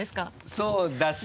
そうだし